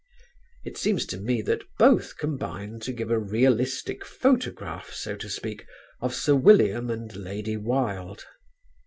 It seems to me that both combine to give a realistic photograph, so to speak, of Sir William and Lady Wilde.